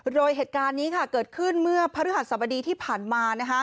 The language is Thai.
โดยเหตุการณ์นี้เกิดขึ้นเมื่อพระฤหัสสบดีที่ผ่านมา